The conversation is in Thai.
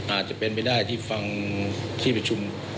อาจจะเป็นไปได้ที่ฟังที่ประชุม